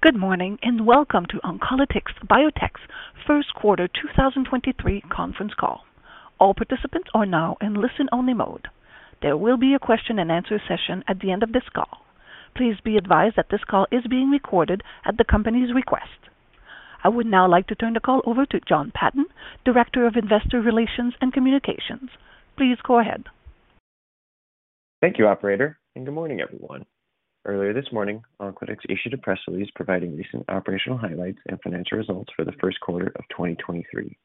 Good morning, and welcome to Oncolytics Biotech's first quarter 2023 conference call. All participants are now in listen-only mode. There will be a question and answer session at the end of this call. Please be advised that this call is being recorded at the company's request. I would now like to turn the call over to Jon Patton, Director of Investor Relations and Communications. Please go ahead. Thank you, operator, and good morning, everyone. Earlier this morning, Oncolytics issued a press release providing recent operational highlights and financial results for the first quarter of 2023.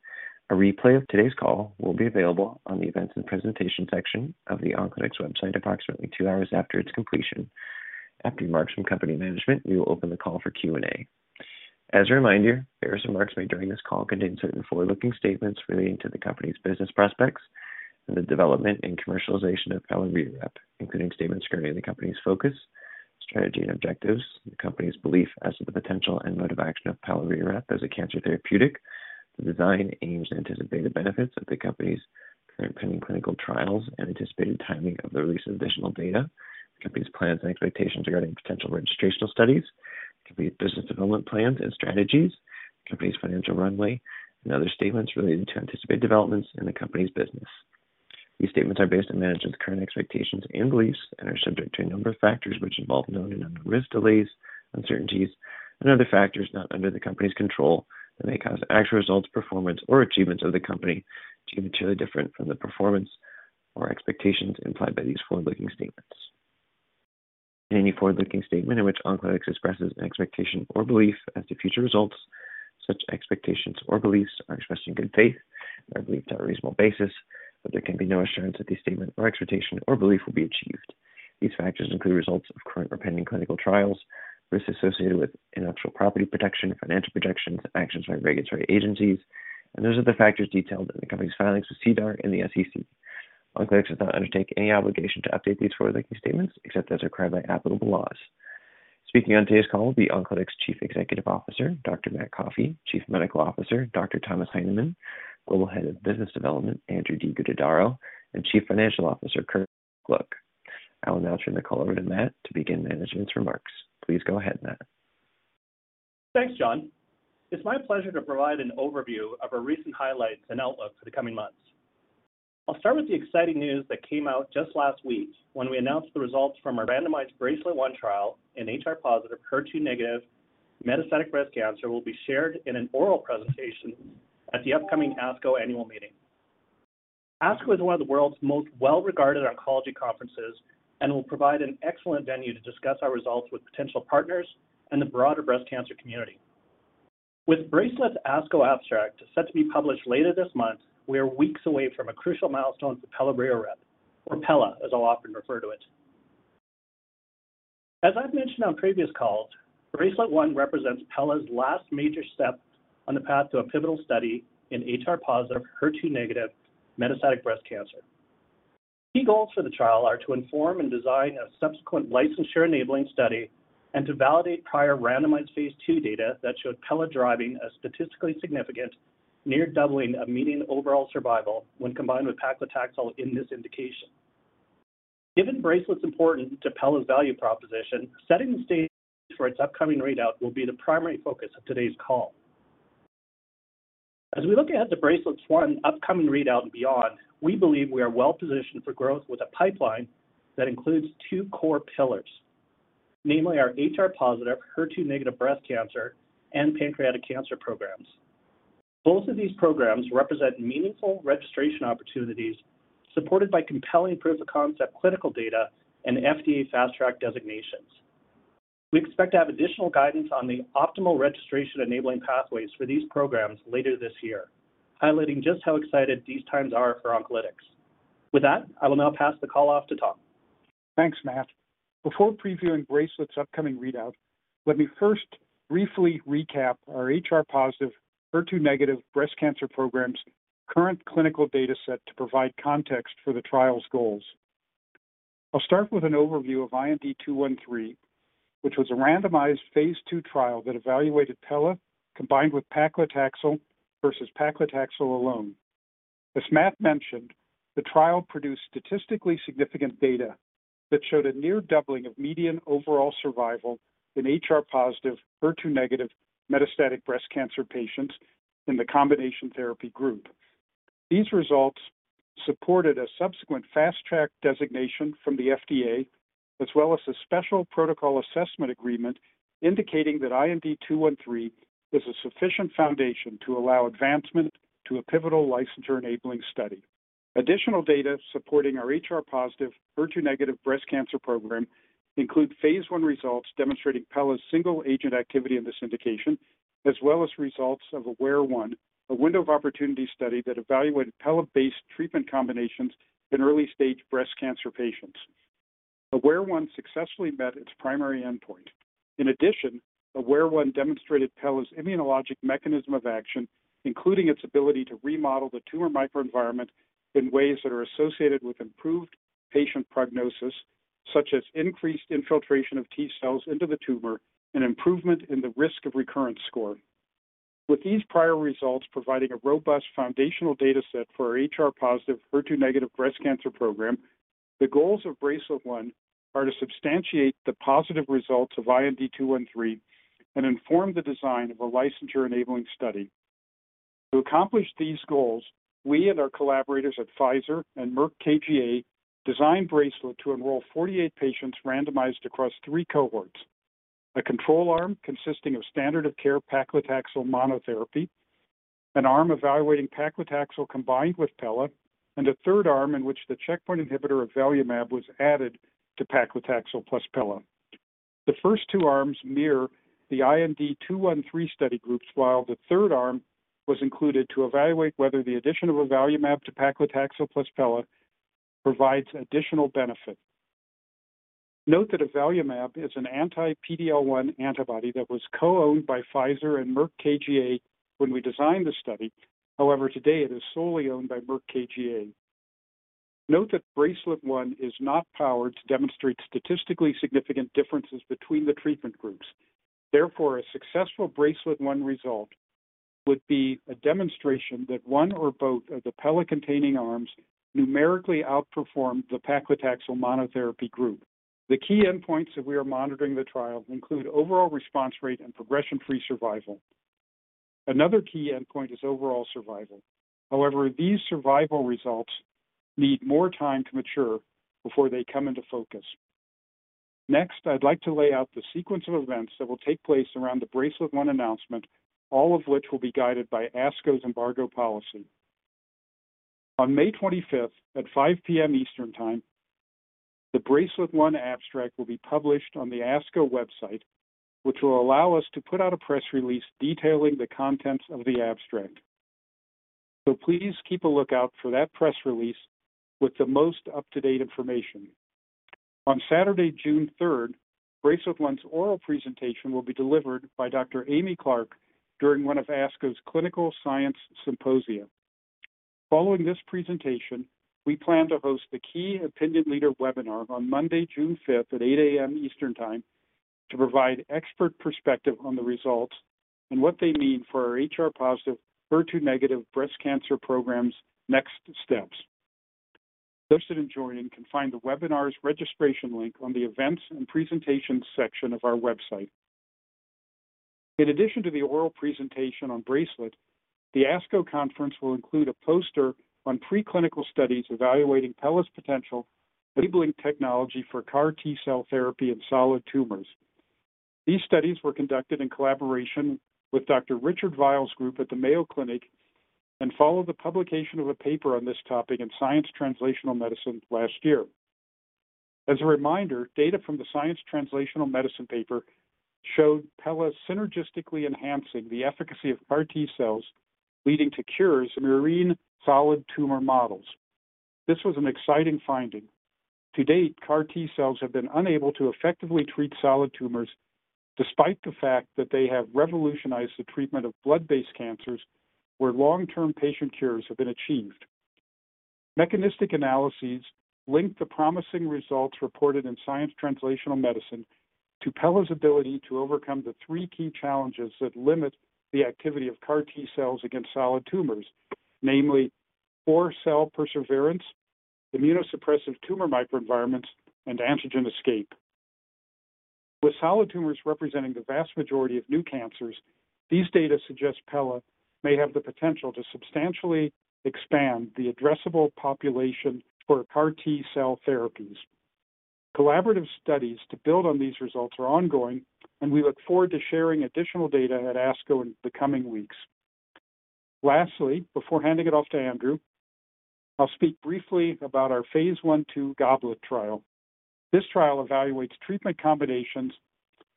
A replay of today's call will be available on the Events and Presentation section of the Oncolytics website approximately two hours after its completion. After remarks from company management, we will open the call for Q&A. As a reminder, various remarks made during this call contain certain forward-looking statements relating to the company's business prospects and the development and commercialization of pelareorep, including statements regarding the company's focus, strategy, and objectives, the company's belief as to the potential and mode of action of pelareorep as a cancer therapeutic, the design, aims, and anticipated benefits of the company's current pending clinical trials and anticipated timing of the release of additional data, the company's plans and expectations regarding potential registrational studies, the company's business development plans and strategies, the company's financial runway, and other statements relating to anticipated developments in the company's business. These statements are based on management's current expectations and beliefs and are subject to a number of factors which involve known and unknown risks, delays, uncertainties, and other factors not under the company's control that may cause actual results, performance, or achievements of the company to be materially different from the performance or expectations implied by these forward-looking statements. In any forward-looking statement in which Oncolytics expresses an expectation or belief as to future results, such expectations or beliefs are expressed in good faith and are believed to have a reasonable basis, but there can be no assurance that these statement or expectation or belief will be achieved. These factors include results of current or pending clinical trials, risks associated with intellectual property protection, financial projections, and actions by regulatory agencies, and those are the factors detailed in the company's filings with SEDAR and the SEC. Oncolytics does not undertake any obligation to update these forward-looking statements except as required by applicable laws. Speaking on today's call will be Oncolytics Chief Executive Officer, Dr. Matt Coffey, Chief Medical Officer, Dr. Thomas Heineman, Global Head of Business Development, Andrew de Guttadauro, and Chief Financial Officer, Kirk Look. I will now turn the call over to Matt to begin management's remarks. Please go ahead, Matt. Thanks, Jon. It's my pleasure to provide an overview of our recent highlights and outlook for the coming months. I'll start with the exciting news that came out just last week when we announced the results from our randomized BRACELET-1 trial in HR-positive, HER2-negative metastatic breast cancer will be shared in an oral presentation at the upcoming ASCO annual meeting. ASCO is one of the world's most well-regarded oncology conferences and will provide an excellent venue to discuss our results with potential partners and the broader breast cancer community. With BRACELET's ASCO abstract set to be published later this month, we are weeks away from a crucial milestone for pelareorep, or pela, as I'll often refer to it. As I've mentioned on previous calls, BRACELET-1 represents pela's last major step on the path to a pivotal study in HR-positive, HER2-negative metastatic breast cancer. Key goals for the trial are to inform and design a subsequent licensure-enabling study and to validate prior randomized phase II data that showed pela driving a statistically significant near doubling of median overall survival when combined with paclitaxel in this indication. Given BRACELET's importance to pela's value proposition, setting the stage for its upcoming readout will be the primary focus of today's call. As we look ahead to BRACELET-1's upcoming readout and beyond, we believe we are well-positioned for growth with a pipeline that includes two core pillars, namely our HR-positive, HER2-negative breast cancer and pancreatic cancer programs. Both of these programs represent meaningful registration opportunities supported by compelling proof-of-concept clinical data and FDA Fast Track designations. We expect to have additional guidance on the optimal registration-enabling pathways for these programs later this year, highlighting just how excited these times are for Oncolytics. With that, I will now pass the call off to Tom. Thanks, Matt. Before previewing BRACELET's upcoming readout, let me first briefly recap our HR-positive, HER2-negative breast cancer program's current clinical data set to provide context for the trial's goals. I'll start with an overview of IND-213, which was a randomized phase II trial that evaluated pela combined with paclitaxel versus paclitaxel alone. As Matt mentioned, the trial produced statistically significant data that showed a near doubling of median overall survival in HR-positive, HER2-negative metastatic breast cancer patients in the combination therapy group. These results supported a subsequent Fast Track designation from the FDA, as well as a Special Protocol Assessment agreement indicating that IND-213 is a sufficient foundation to allow advancement to a pivotal licensure-enabling study. Additional data supporting our HR-positive, HER2-negative breast cancer program include phase I results demonstrating pela's single-agent activity in this indication, as well as results of AWARE-1, a window of opportunity study that evaluated pela-based treatment combinations in early-stage breast cancer patients. AWARE-1 successfully met its primary endpoint. AWARE-1 demonstrated pela's immunologic mechanism of action, including its ability to remodel the tumor microenvironment in ways that are associated with improved patient prognosis, such as increased infiltration of T cells into the tumor and improvement in the risk of recurrence score. With these prior results providing a robust foundational data set for our HR-positive, HER2-negative breast cancer program, the goals of BRACELET-1 are to substantiate the positive results of IND-213 and inform the design of a licensure-enabling study. To accomplish these goals, we and our collaborators at Pfizer and Merck KGaA designed BRACELET to enroll 48 patients randomized across three cohorts. A control arm consisting of standard of care paclitaxel monotherapy, an arm evaluating paclitaxel combined with pela, and a third arm in which the checkpoint inhibitor avelumab was added to paclitaxel plus pela. The first two arms mirror the IND-213 study groups, while the third arm was included to evaluate whether the addition of avelumab to paclitaxel plus pela provides additional benefit. Note that avelumab is an anti-PD-L1 antibody that was co-owned by Pfizer and Merck KGaA when we designed the study. However, today it is solely owned by Merck KGaA. Note that BRACELET-1 is not powered to demonstrate statistically significant differences between the treatment groups. A successful BRACELET-1 result would be a demonstration that one or both of the pela-containing arms numerically outperformed the paclitaxel monotherapy group. The key endpoints that we are monitoring the trial include overall response rate and progression-free survival. Another key endpoint is overall survival. These survival results need more time to mature before they come into focus. I'd like to lay out the sequence of events that will take place around the BRACELET-1 announcement, all of which will be guided by ASCO's embargo policy. On May 25th at 5:00 P.M. Eastern Time, the BRACELET-1 abstract will be published on the ASCO website, which will allow us to put out a press release detailing the contents of the abstract. Please keep a lookout for that press release with the most up-to-date information. On Saturday, June 3rd, BRACELET-1's oral presentation will be delivered by Dr. Amy Clark during one of ASCO's Clinical Science Symposia. Following this presentation, we plan to host a key opinion leader webinar on Monday, June 5th at 8:00 A.M. Eastern Time to provide expert perspective on the results and what they mean for our HR-positive, HER2-negative breast cancer programs' next steps. Those interested in joining can find the webinar's registration link on the Events and Presentations section of our website. In addition to the oral presentation on BRACELET, the ASCO conference will include a poster on preclinical studies evaluating pela's potential loading technology for CAR T-cell therapy in solid tumors. These studies were conducted in collaboration with Dr. Richard Vile's group at the Mayo Clinic and follow the publication of a paper on this topic in Science Translational Medicine last year. As a reminder, data from the Science Translational Medicine paper showed pela synergistically enhancing the efficacy of CAR T-cells, leading to cures in murine solid tumor models. This was an exciting finding. To date, CAR T-cells have been unable to effectively treat solid tumors despite the fact that they have revolutionized the treatment of blood-based cancers, where long-term patient cures have been achieved. Mechanistic analyses link the promising results reported in Science Translational Medicine to pela's ability to overcome the three key challenges that limit the activity of CAR T-cells against solid tumors, namely poor cell perseverance, immunosuppressive tumor microenvironments, and antigen escape. With solid tumors representing the vast majority of new cancers, these data suggest pela may have the potential to substantially expand the addressable population for CAR T-cell therapies. Collaborative studies to build on these results are ongoing, and we look forward to sharing additional data at ASCO in the coming weeks. Lastly, before handing it off to Andrew, I'll speak briefly about our phase I/II GOBLET trial. This trial evaluates treatment combinations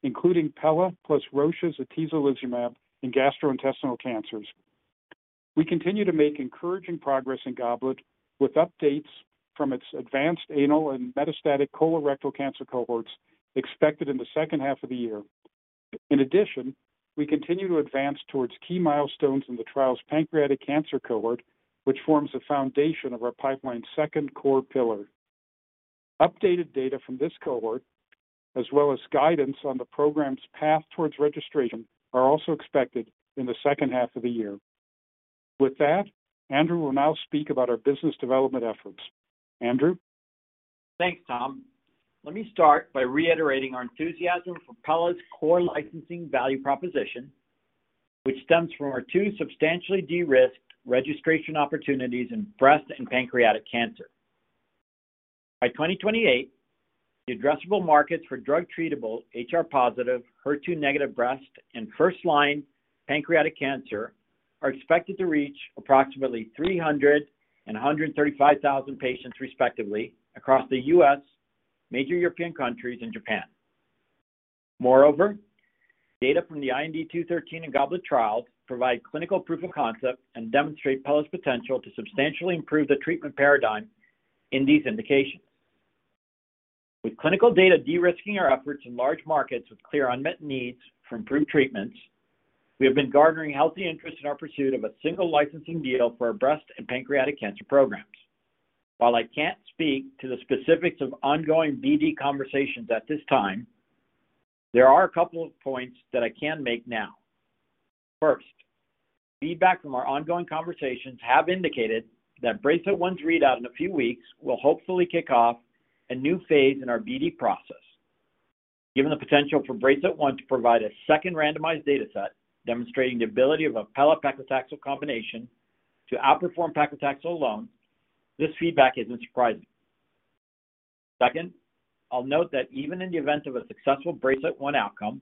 including pela plus Roche's atezolizumab in gastrointestinal cancers. We continue to make encouraging progress in GOBLET, with updates from its advanced anal and metastatic colorectal cancer cohorts expected in the second half of the year. In addition, we continue to advance towards key milestones in the trial's pancreatic cancer cohort, which forms the foundation of our pipeline's second core pillar. Updated data from this cohort, as well as guidance on the program's path towards registration, are also expected in the second half of the year. With that, Andrew will now speak about our business development efforts. Andrew? Thanks, Tom. Let me start by reiterating our enthusiasm for pela's core licensing value proposition, which stems from our two substantially de-risked registration opportunities in breast and pancreatic cancer. By 2028, the addressable markets for drug-treatable HR-positive, HER2-negative breast and first-line pancreatic cancer are expected to reach approximately 300,000 and 135,000 patients, respectively, across the U.S., major European countries, and Japan. Data from the IND-213 and GOBLET trials provide clinical proof of concept and demonstrate pela's potential to substantially improve the treatment paradigm in these indications. With clinical data de-risking our efforts in large markets with clear unmet needs for improved treatments, we have been garnering healthy interest in our pursuit of a single licensing deal for our breast and pancreatic cancer programs. While I can't speak to the specifics of ongoing BD conversations at this time, there are a couple of points that I can make now. First, feedback from our ongoing conversations have indicated that BRACELET-1's readout in a few weeks will hopefully kick off a new phase in our BD process. Given the potential for BRACELET-1 to provide a second randomized data set demonstrating the ability of a pela paclitaxel combination to outperform paclitaxel alone, this feedback isn't surprising. Second, I'll note that even in the event of a successful BRACELET-1 outcome,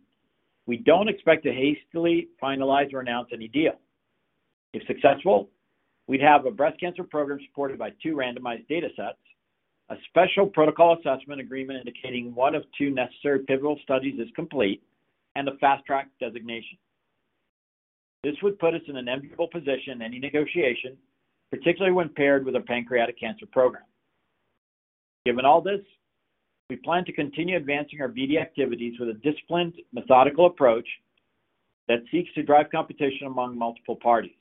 we don't expect to hastily finalize or announce any deal. If successful, we'd have a breast cancer program supported by two randomized data sets, a Special Protocol Assessment agreement indicating one of two necessary pivotal studies is complete, and a Fast Track designation. This would put us in an enviable position in any negotiation, particularly when paired with a pancreatic cancer program. Given all this, we plan to continue advancing our BD activities with a disciplined, methodical approach that seeks to drive competition among multiple parties.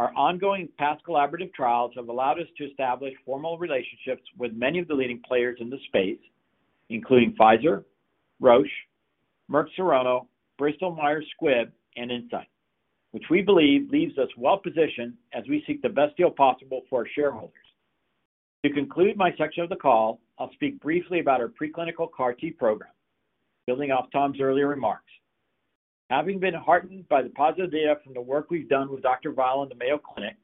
Our ongoing past collaborative trials have allowed us to establish formal relationships with many of the leading players in this space, including Pfizer, Roche, Merck Serono, Bristol Myers Squibb, and Incyte, which we believe leaves us well-positioned as we seek the best deal possible for our shareholders. To conclude my section of the call, I'll speak briefly about our preclinical CAR T-cell program, building off Tom's earlier remarks. Having been heartened by the positive data from the work we've done with Dr. Vile and the Mayo Clinic,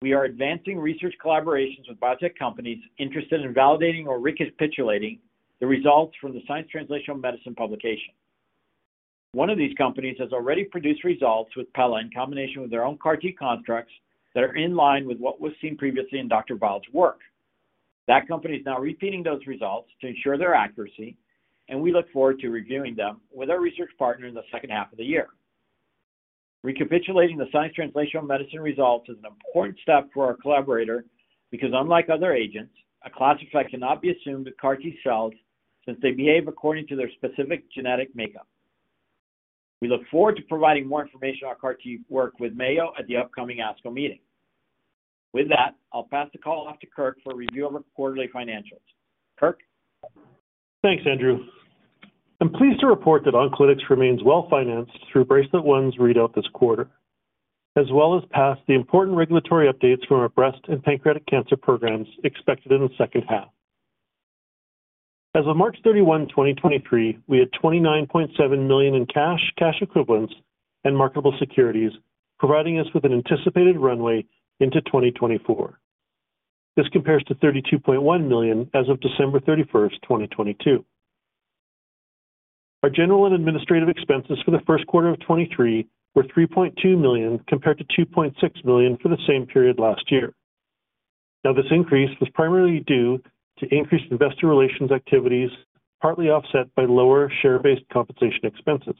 we are advancing research collaborations with biotech companies interested in validating or recapitulating the results from the Science Translational Medicine publication. One of these companies has already produced results with pela in combination with their own CAR T constructs that are in line with what was seen previously in Dr. Vile's work. That company is now repeating those results to ensure their accuracy, and we look forward to reviewing them with our research partner in the second half of the year. Recapitulating the Science Translational Medicine results is an important step for our collaborator because unlike other agents, a class effect cannot be assumed with CAR T cells since they behave according to their specific genetic makeup. We look forward to providing more information on CAR T work with Mayo at the upcoming ASCO meeting. With that, I'll pass the call off to Kirk for a review of our quarterly financials. Kirk? Thanks, Andrew. I'm pleased to report that Oncolytics remains well-financed through BRACELET-1's readout this quarter, as well as past the important regulatory updates from our breast and pancreatic cancer programs expected in the second half. As of March 31, 2023, we had $29.7 million in cash equivalents, and marketable securities, providing us with an anticipated runway into 2024. This compares to $32.1 million as of December 31, 2022. Our general and administrative expenses for the first quarter of 2023 were $3.2 million, compared to $2.6 million for the same period last year. This increase was primarily due to increased investor relations activities, partly offset by lower share-based compensation expenses.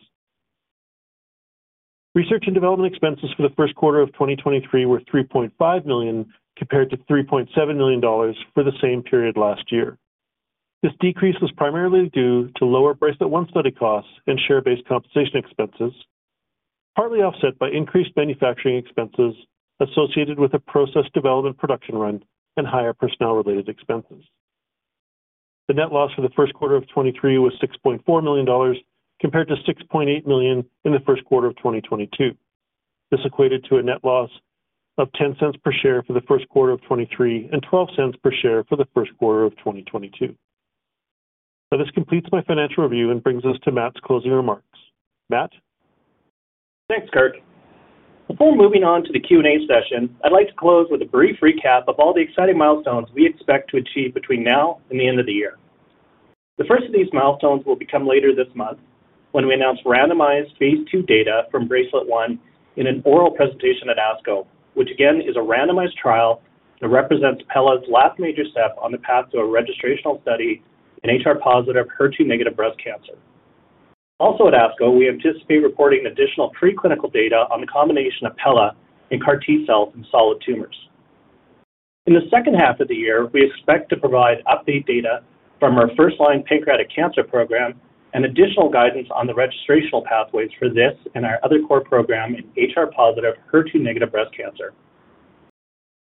Research and development expenses for the first quarter of 2023 were $3.5 million, compared to $3.7 million for the same period last year. This decrease was primarily due to lower BRACELET-1 study costs and share-based compensation expenses, partly offset by increased manufacturing expenses associated with a process development production run and higher personnel-related expenses. The net loss for the first quarter of 2023 was $6.4 million compared to $6.8 million in the first quarter of 2022. This equated to a net loss of $0.10 per share for the first quarter of 2023 and $0.12 per share for the first quarter of 2022. This completes my financial review and brings us to Matt's closing remarks. Matt? Thanks, Kirk. Before moving on to the Q&A session, I'd like to close with a brief recap of all the exciting milestones we expect to achieve between now and the end of the year. The first of these milestones will become later this month when we announce randomized phase II data from BRACELET-1 in an oral presentation at ASCO, which again is a randomized trial that represents pela's last major step on the path to a registrational study in HR-positive, HER2-negative breast cancer. Also at ASCO, we anticipate reporting additional preclinical data on the combination of pela and CAR T-cells in solid tumors. In the second half of the year, we expect to provide update data from our first-line pancreatic cancer program and additional guidance on the registrational pathways for this and our other core program in HR-positive, HER2-negative breast cancer.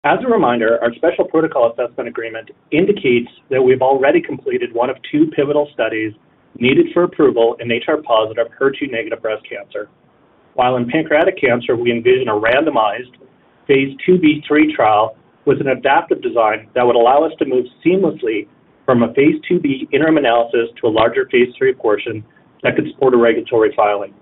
As a reminder, our Special Protocol Assessment agreement indicates that we've already completed one of two pivotal studies needed for approval in HR-positive, HER2-negative breast cancer. In pancreatic cancer, we envision a randomized phase II-B/III trial with an adaptive design that would allow us to move seamlessly from a phase II-B interim analysis to a larger phase III portion that could support a regulatory filing.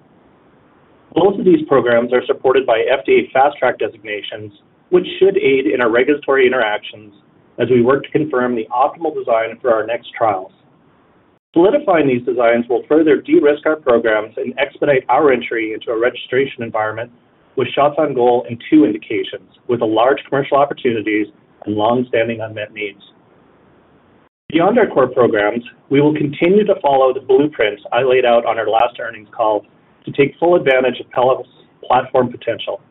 Both of these programs are supported by FDA Fast Track designations, which should aid in our regulatory interactions as we work to confirm the optimal design for our next trials. Solidifying these designs will further de-risk our programs and expedite our entry into a registration environment with shots on goal in two indications with large commercial opportunities and long-standing unmet needs. Beyond our core programs, we will continue to follow the blueprints I laid out on our last earnings call to take full advantage of pela's platform potential.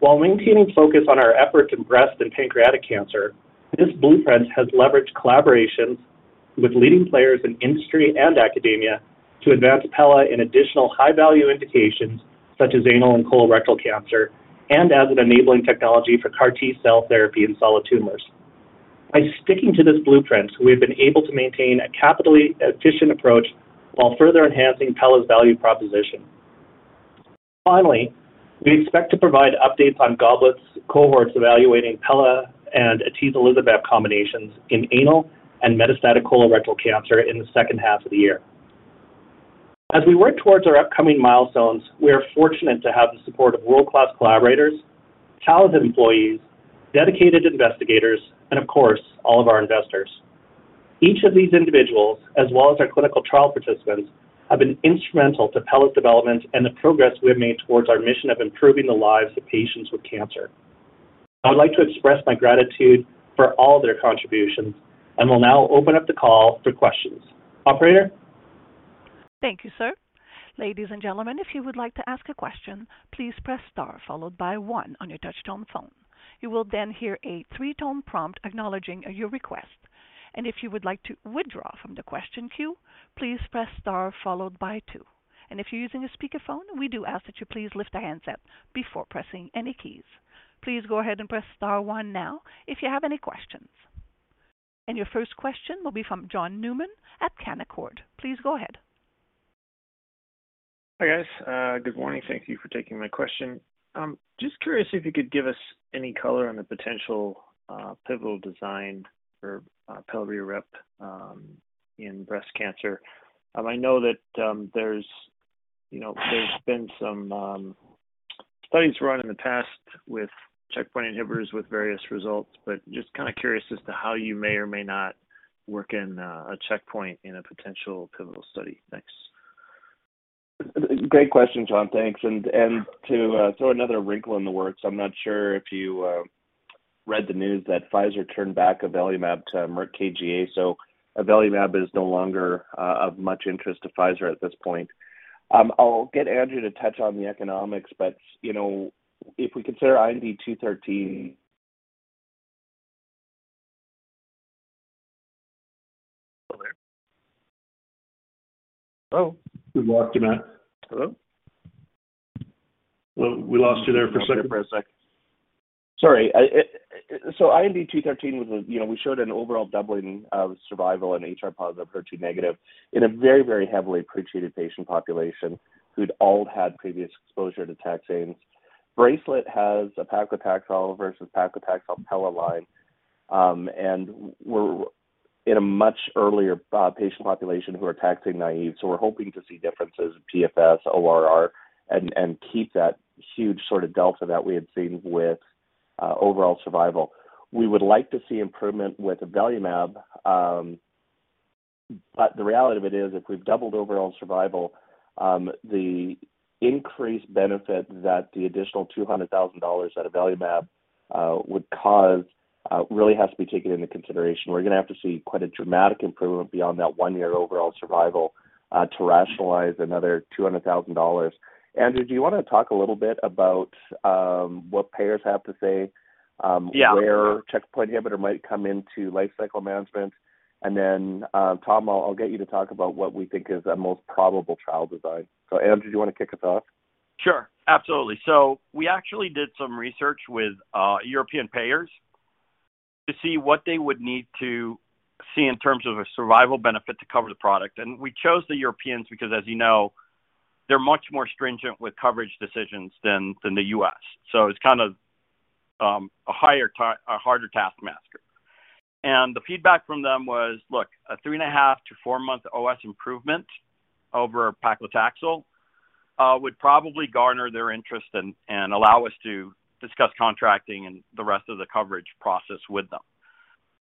While maintaining focus on our efforts in breast and pancreatic cancer, this blueprint has leveraged collaborations With leading players in industry and academia to advance pela in additional high-value indications such as anal and colorectal cancer, and as an enabling technology for CAR T-cell therapy in solid tumors. By sticking to this blueprint, we've been able to maintain a capitally efficient approach while further enhancing pela's value proposition. We expect to provide updates on GOBLET cohorts evaluating pela and atezolizumab combinations in anal and metastatic colorectal cancer in the second half of the year. As we work towards our upcoming milestones, we are fortunate to have the support of world-class collaborators, talented employees, dedicated investigators, and of course, all of our investors. Each of these individuals, as well as our clinical trial participants, have been instrumental to pela's development and the progress we have made towards our mission of improving the lives of patients with cancer. I would like to express my gratitude for all their contributions. I will now open up the call for questions. Operator? Thank you, sir. Ladies and gentlemen, if you would like to ask a question, please press star followed by one on your touch-tone phone. You will then hear a three-tone prompt acknowledging your request. If you would like to withdraw from the question queue, please press star followed by two. If you're using a speakerphone, we do ask that you please lift the handset before pressing any keys. Please go ahead and press star one now if you have any questions. Your first question will be from John Newman at Canaccord. Please go ahead. Hi, guys. good morning. Thank you for taking my question. just curious if you could give us any color on the potential pivotal design for pelareorep in breast cancer. I know that there's, you know, there's been some studies run in the past with checkpoint inhibitors with various results, but just kinda curious as to how you may or may not work in a checkpoint in a potential pivotal study. Thanks. Great question, John. Thanks. To throw another wrinkle in the works, I'm not sure if you read the news that Pfizer turned back avelumab to Merck KGaA. Avelumab is no longer of much interest to Pfizer at this point. I'll get Andrew to touch on the economics, but, you know, if we consider IND-213... Hello? We lost you, Matt. Hello? We lost you there for a second. Lost you there for a sec. Sorry. IND-213 was a. You know, we showed an overall doubling of survival in HR-positive, HER2-negative in a very, very heavily pre-treated patient population who'd all had previous exposure to taxanes. BRACELET-1 has a paclitaxel versus paclitaxel pela line, we're in a much earlier patient population who are taxane naive, we're hoping to see differences in PFS, ORR, and keep that huge sort of delta that we had seen with overall survival. We would like to see improvement with avelumab, the reality of it is if we've doubled overall survival, the increased benefit that the additional $200,000 at avelumab would cause really has to be taken into consideration. We're gonna have to see quite a dramatic improvement beyond that one-year overall survival to rationalize another $200,000. Andrew, do you wanna talk a little bit about what payers have to say- Yeah... where checkpoint inhibitor might come into lifecycle management? Then, Tom, I'll get you to talk about what we think is the most probable trial design. Andrew, do you wanna kick us off? Sure. Absolutely. We actually did some research with European payers to see what they would need to see in terms of a survival benefit to cover the product. We chose the Europeans because, as you know, they're much more stringent with coverage decisions than the U.S. It's kind of a harder task master. The feedback from them was, look, a 3.5-4 month OS improvement over paclitaxel would probably garner their interest and allow us to discuss contracting and the rest of the coverage process with them.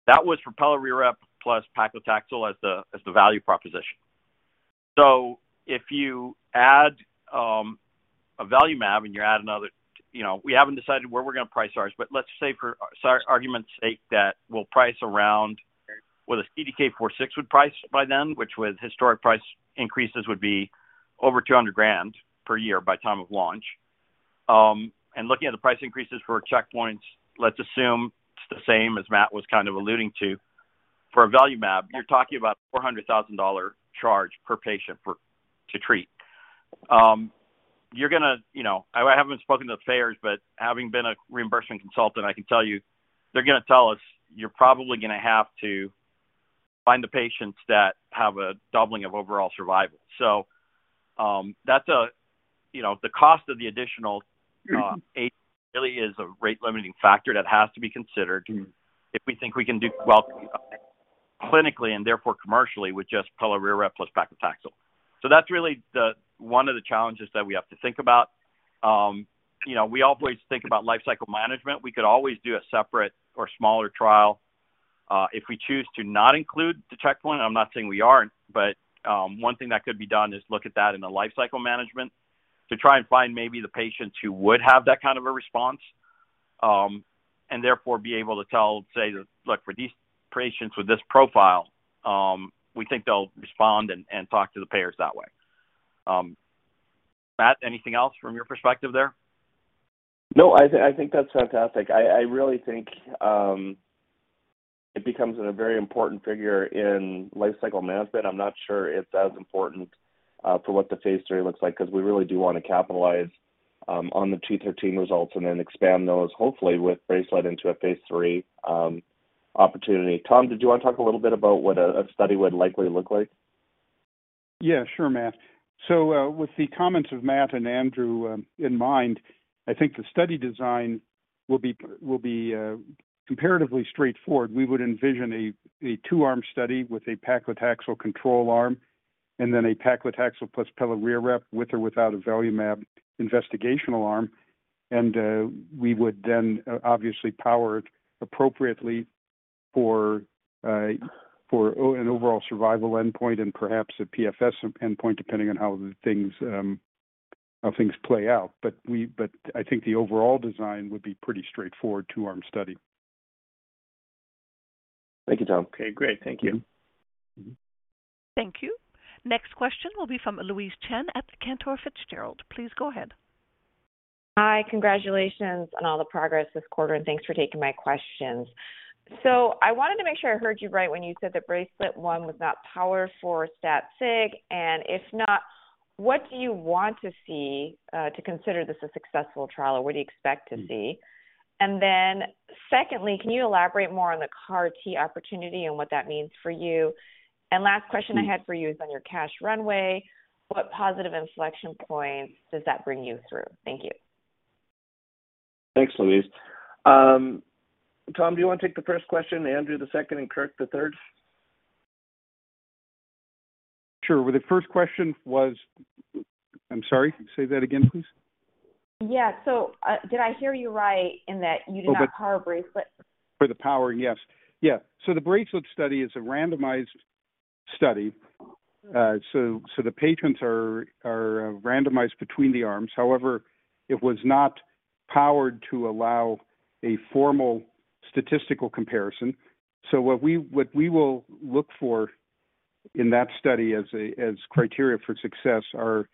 That was for pelareorep plus paclitaxel as the value proposition. If you add avelumab, you add another... You know, we haven't decided where we're gonna price ours, but let's say for argument's sake that we'll price around what a CDK4/6 would price by then, which with historic price increases would be over $200,000 per year by time of launch. Looking at the price increases for checkpoints, let's assume it's the same as Matt was kind of alluding to. For avelumab, you're talking about a $400,000 charge per patient for, to treat. You know, I haven't spoken to the payers, but having been a reimbursement consultant, I can tell you they're gonna tell us, "You're probably gonna have to find the patients that have a doubling of overall survival." That's a, you know, the cost of the additional aid really is a rate-limiting factor that has to be considered. Mm-hmm... if we think we can do well clinically and therefore commercially with just pelareorep plus paclitaxel. That's really the, one of the challenges that we have to think about. you know, we always think about lifecycle management. We could always do a separate or smaller trial if we choose to not include the checkpoint. I'm not saying we aren't, but one thing that could be done is look at that in a lifecycle management to try and find maybe the patients who would have that kind of a response, and therefore be able to tell, say that, "Look, for these patients with this profile, we think they'll respond," and talk to the payers that way. Matt, anything else from your perspective there? No, I think that's fantastic. I really think it becomes a very important figure in life-cycle management. I'm not sure it's as important for what the phase III looks like, 'cause we really do wanna capitalize on the 213 results and then expand those hopefully with BRACELET into a phase III opportunity. Tom, did you wanna talk a little bit about what a study would likely look like? Yeah. Sure, Matt. With the comments of Matt and Andrew in mind, I think the study design will be comparatively straightforward. We would envision a two-arm study with a paclitaxel control arm and then a paclitaxel plus pelareorep with or without avelumab investigational arm. We would then obviously power it appropriately for an overall survival endpoint and perhaps a PFS endpoint, depending on how things play out. I think the overall design would be pretty straightforward two-arm study. Thank you, Tom. Okay, great. Thank you. Mm-hmm. Thank you. Next question will be from Louise Chen at Cantor Fitzgerald. Please go ahead. Hi. Congratulations on all the progress this quarter, and thanks for taking my questions. I wanted to make sure I heard you right when you said that BRACELET-1 was not powered for stat sig, and if not, what do you want to see to consider this a successful trial, or what do you expect to see? Secondly, can you elaborate more on the CAR T opportunity and what that means for you? Last question I had for you is on your cash runway. What positive inflection points does that bring you through? Thank you. Thanks, Louise. Tom, do you wanna take the first question, Andrew the second, and Kirk the third? Sure. Well, the first question was... I'm sorry. Say that again, please. Yeah. did I hear you right in that you did not power BRACELET? For the power, yes. Yeah. The BRACELET-1 study is a randomized study. The patients are randomized between the arms. However, it was not powered to allow a formal statistical comparison. What we will look for in that study as criteria for success are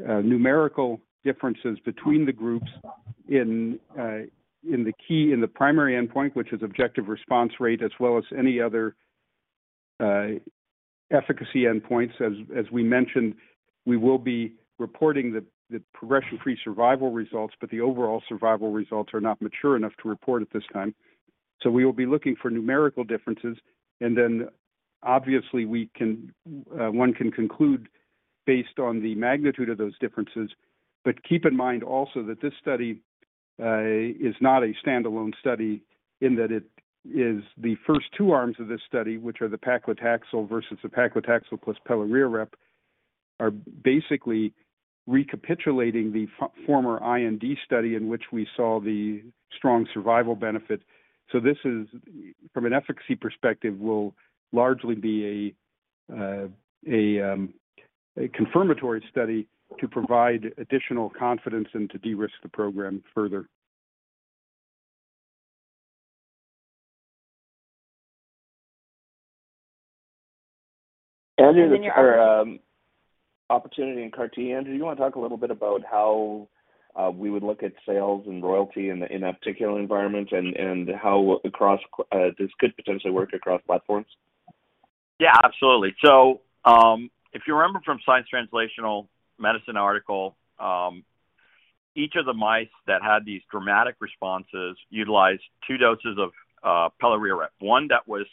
numerical differences between the groups in the key, in the primary endpoint, which is objective response rate, as well as any other efficacy endpoints. As we mentioned, we will be reporting the progression-free survival results, but the overall survival results are not mature enough to report at this time. We will be looking for numerical differences, and then obviously one can conclude based on the magnitude of those differences. Keep in mind also that this study is not a standalone study in that it is the first two arms of this study, which are the paclitaxel versus the paclitaxel plus pelareorep, are basically recapitulating the former IND study in which we saw the strong survival benefit. This is, from an efficacy perspective, will largely be a confirmatory study to provide additional confidence and to de-risk the program further. And then your- Andrew, our opportunity in CAR T. Andrew, do you wanna talk a little bit about how we would look at sales and royalty in that particular environment and how across this could potentially work across platforms? Yeah, absolutely. If you remember from Science Translational Medicine article, each of the mice that had these dramatic responses utilized two doses of pelareorep, one that was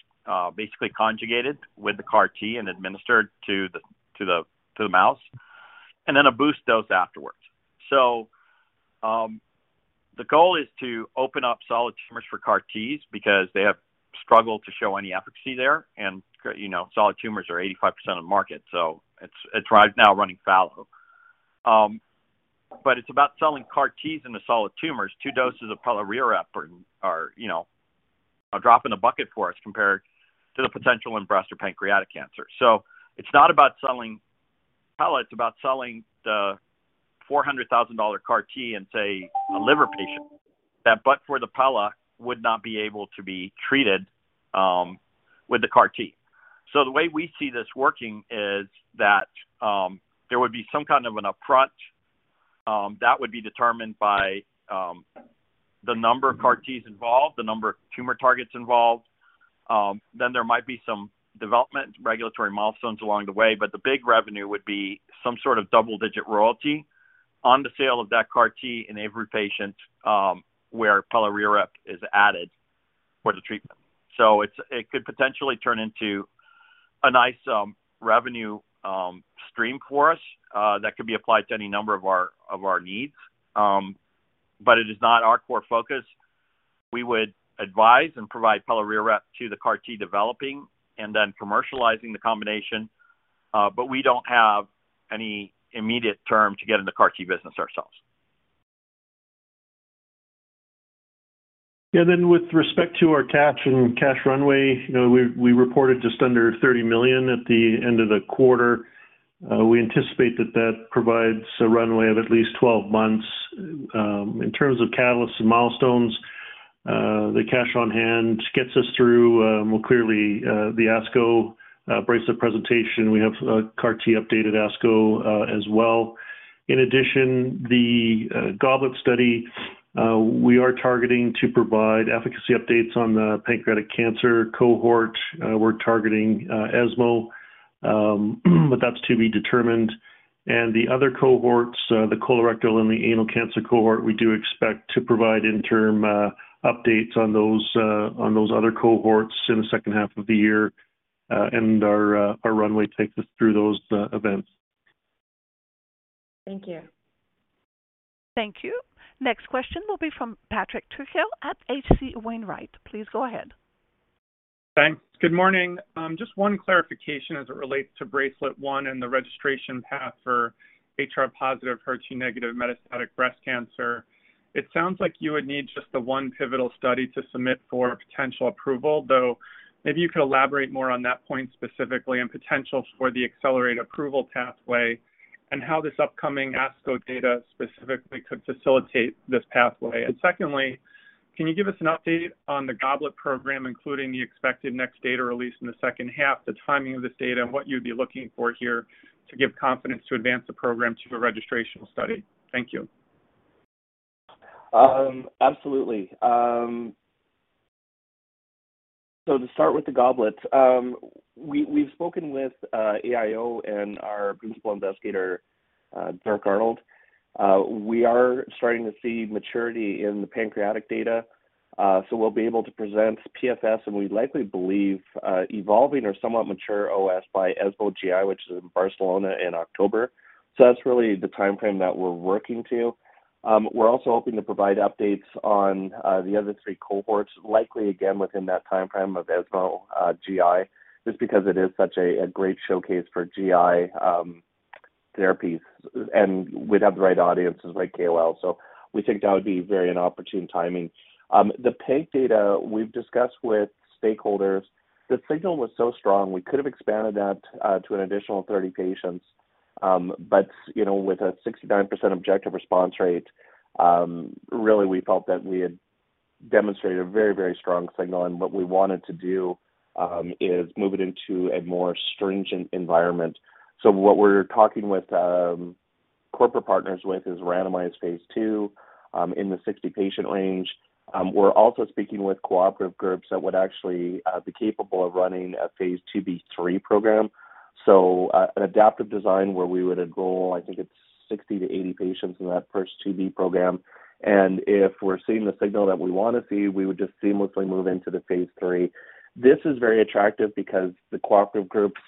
basically conjugated with the CAR T and administered to the mouse, and then a boost dose afterwards. The goal is to open up solid tumors for CAR Ts because they have struggled to show any efficacy there. You know, solid tumors are 85% of the market, so it's a drive now running fallow. It's about selling CAR Ts into solid tumors. Two doses of pelareorep are, you know, a drop in the bucket for us compared to the potential in breast or pancreatic cancer. It's not about selling pela, it's about selling the $400,000 CAR T in, say, a liver patient that, but for the pela, would not be able to be treated with the CAR T. The way we see this working is that there would be some kind of an upfront that would be determined by the number of CAR Ts involved, the number of tumor targets involved. There might be some development regulatory milestones along the way, but the big revenue would be some sort of double-digit royalty on the sale of that CAR T in every patient where pelareorep is added for the treatment. It's, it could potentially turn into a nice revenue stream for us that could be applied to any number of our, of our needs. It is not our core focus. We would advise and provide pelareorep to the CAR T developing and then commercializing the combination, but we don't have any immediate term to get in the CAR T business ourselves. Yeah. With respect to our cash and cash runway, you know, we reported just under $30 million at the end of the quarter. We anticipate that that provides a runway of at least 12 months. In terms of catalysts and milestones. The cash on hand gets us through, well, clearly, the ASCO BRACELET presentation. We have CAR T updated ASCO as well. In addition, the GOBLET study, we are targeting to provide efficacy updates on the pancreatic cancer cohort. We're targeting ESMO, but that's to be determined. The other cohorts, the colorectal and the anal cancer cohort, we do expect to provide interim updates on those on those other cohorts in the second half of the year, and our runway takes us through those events. Thank you. Thank you. Next question will be from Patrick Trucchio at H.C. Wainwright. Please go ahead. Thanks. Good morning. Just one clarification as it relates to BRACELET-1 and the registration path for HR-positive, HER2-negative metastatic breast cancer. It sounds like you would need just the one pivotal study to submit for potential approval, though maybe you could elaborate more on that point specifically and potential for the accelerated approval pathway and how this upcoming ASCO data specifically could facilitate this pathway? Secondly, can you give us an update on the GOBLET program, including the expected next data release in the second half, the timing of this data, and what you'd be looking for here to give confidence to advance the program to the registrational study? Thank you. Absolutely. To start with the GOBLET, we've spoken with AIO and our principal investigator, Dirk Arnold. We are starting to see maturity in the pancreatic data, we'll be able to present PFS, and we likely believe, evolving or somewhat mature OS by ESMO GI, which is in Barcelona in October. That's really the timeframe that we're working to. We're also hoping to provide updates on the other three cohorts, likely again within that timeframe of ESMO GI, just because it is such a great showcase for GI therapies, we'd have the right audiences, right KOLs. We think that would be very an opportune timing. The PAN data we've discussed with stakeholders. The signal was so strong, we could have expanded that to an additional 30 patients. You know, with a 69% objective response rate, really we felt that we had demonstrated a very, very strong signal, and what we wanted to do is move it into a more stringent environment. What we're talking with corporate partners with is randomized phase II, in the 60-patient range. We're also speaking with cooperative groups that would actually be capable of running a phase II-B/III program. An adaptive design where we would goal, I think it's 60 to 80 patients in that first II-B program. If we're seeing the signal that we wanna see, we would just seamlessly move into the phase III. This is very attractive because the cooperative groups,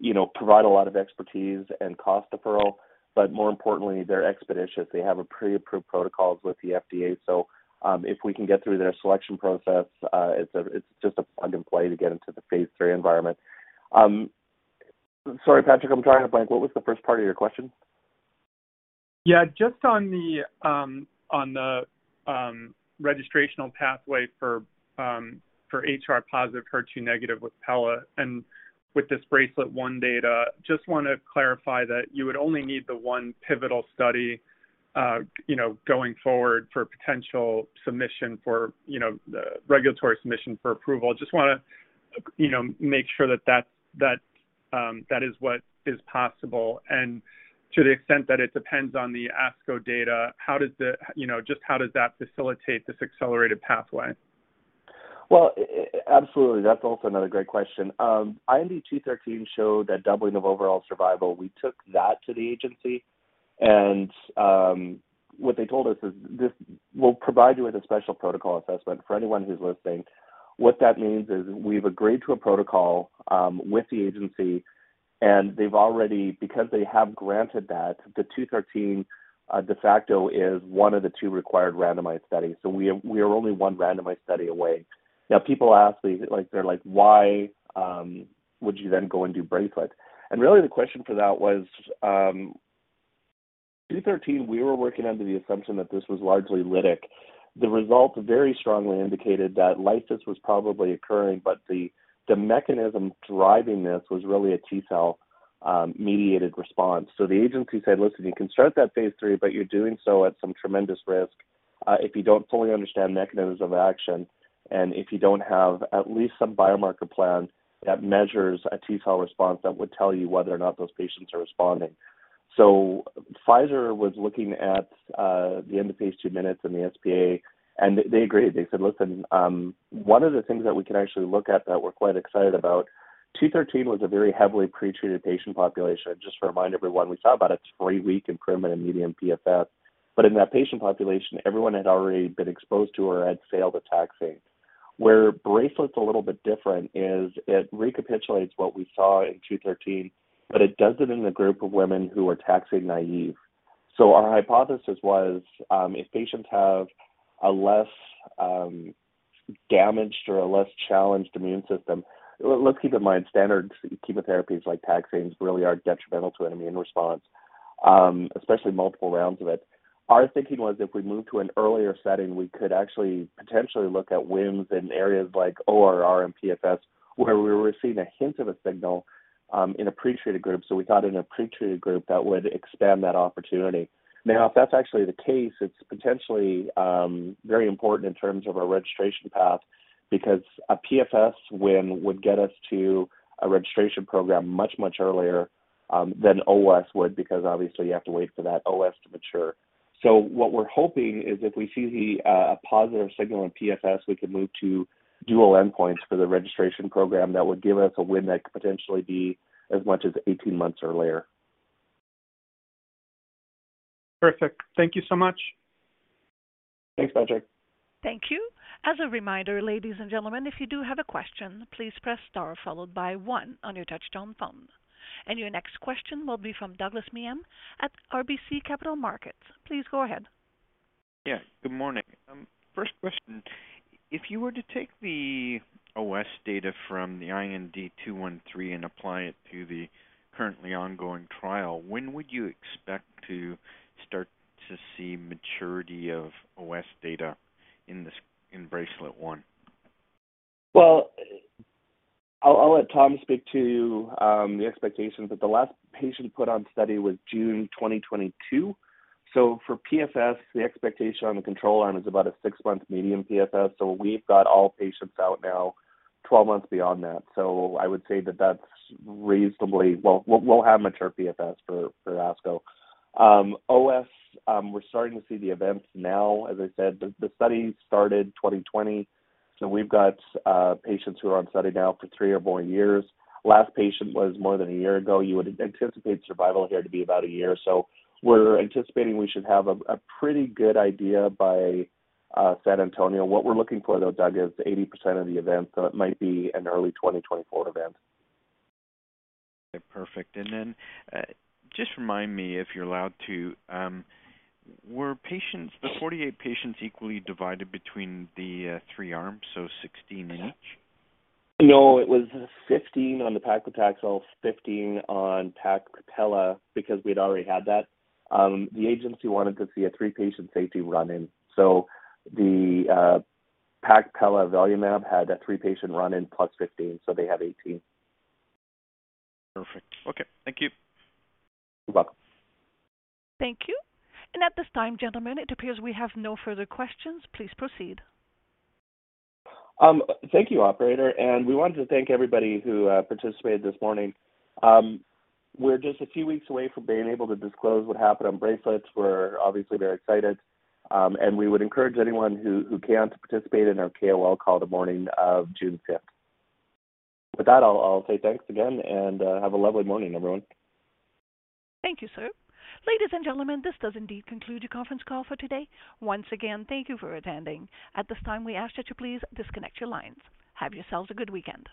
you know, provide a lot of expertise and cost deferral, but more importantly, they're expeditious. They have a pre-approved protocols with the FDA. If we can get through their selection process, it's just a plug and play to get into the phase III environment. Sorry, Patrick, I'm drawing a blank. What was the first part of your question? Yeah, just on the on the registrational pathway for for HR-positive, HER2-negative with pela and with this BRACELET-1 data, just wanna clarify that you would only need the one pivotal study, you know, going forward for potential submission for, you know, the regulatory submission for approval. Just wanna, you know, make sure that that is what is possible. To the extent that it depends on the ASCO data, You know, just how does that facilitate this accelerated pathway? Well, absolutely. That's also another great question. IND-213 showed a doubling of overall survival. We took that to the agency, and what they told us is this: We'll provide you with a Special Protocol Assessment. For anyone who's listening, what that means is we've agreed to a protocol with the agency, and they've already. Because they have granted that, the 213 de facto is one of the two required randomized studies. We are only one randomized study away. People ask these, like, they're like, "Why would you then go and do BRACELET-1?" Really the question for that was, 213, we were working under the assumption that this was largely lytic. The results very strongly indicated that lysis was probably occurring, but the mechanism driving this was really a T-cell mediated response. The agency said, "Listen, you can start that phase III, but you're doing so at some tremendous risk, if you don't fully understand the mechanisms of action and if you don't have at least some biomarker plan that measures a T-cell response that would tell you whether or not those patients are responding." Pfizer was looking at the end of phase II minutes and the SPA, and they agreed. They said, "Listen." One of the things that we can actually look at that we're quite excited about, IND-213 was a very heavily pre-treated patient population. Just to remind everyone, we saw about a three-week improvement in median PFS, but in that patient population, everyone had already been exposed to or had failed a taxane. BRACELET's a little bit different is it recapitulates what we saw in IND-213, it does it in the group of women who are taxane-naive. Our hypothesis was, if patients have a less damaged or a less challenged immune system. Let's keep in mind, standard chemotherapies like taxanes really are detrimental to an immune response. Especially multiple rounds of it. Our thinking was if we moved to an earlier setting, we could actually potentially look at wins in areas like ORR and PFS, where we were seeing a hint of a signal in a pre-treated group. We thought in a pre-treated group that would expand that opportunity. If that's actually the case, it's potentially very important in terms of our registration path because a PFS win would get us to a registration program much, much earlier than OS would, because obviously you have to wait for that OS to mature. What we're hoping is if we see the a positive signal in PFS, we can move to dual endpoints for the registration program that would give us a win that could potentially be as much as 18 months earlier. Perfect. Thank you so much. Thanks, Patrick. Thank you. As a reminder, ladies and gentlemen, if you do have a question, please press star followed by one on your touchtone phone. Your next question will be from Douglas Miehm at RBC Capital Markets. Please go ahead. Yeah, good morning. First question, if you were to take the OS data from the IND-213 and apply it to the currently ongoing trial, when would you expect to start to see maturity of OS data in this, in BRACELET-1? I'll let Tom speak to the expectations. The last patient put on study was June 2022. For PFS, the expectation on the control arm is about a six-month median PFS. We've got all patients out now 12 months beyond that. I would say that's. We'll have mature PFS for ASCO. OS, we're starting to see the events now. As I said, the study started 2020. We've got patients who are on study now for three or more years. Last patient was more than a year ago. You would anticipate survival here to be about a year. We're anticipating we should have a pretty good idea by San Antonio. What we're looking for, though, Doug, is 80% of the events, so it might be an early 2024 event. Perfect. Just remind me if you're allowed to, were patients, the 48 patients equally divided between the three arms, so 16 each? No, it was 15 on the paclitaxel, 15 on paclitaxel because we'd already had that. The agency wanted to see a three-patient safety run-in. The paclitaxel avelumab had that three-patient run-in plus 15, so they have 18. Perfect. Okay. Thank you. You're welcome. Thank you. At this time, gentlemen, it appears we have no further questions. Please proceed. Thank you, operator. We wanted to thank everybody who participated this morning. We're just a few weeks away from being able to disclose what happened on BRACELETs. We're obviously very excited, and we would encourage anyone who can to participate in our KOL call the morning of June 5th. With that, I'll say thanks again and have a lovely morning, everyone. Thank you, sir. Ladies and gentlemen, this does indeed conclude your conference call for today. Once again, thank you for attending. At this time, we ask that you please disconnect your lines. Have yourselves a good weekend.